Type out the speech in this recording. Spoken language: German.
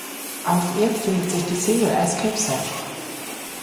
Auf ihr findet sich die Single "Escape Song".